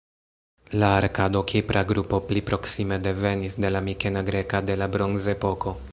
La arkado-kipra grupo pli proksime devenis de la mikena greka de la Bronzepoko.